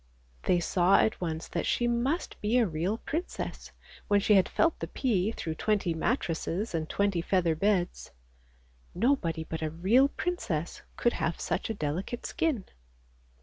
" They saw at once that she must be a real princess when she had felt the pea through twenty mattresses and twenty feather beds. Nobody but a real princess could have such a delicate skin.